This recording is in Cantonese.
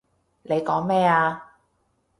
你講咩啊？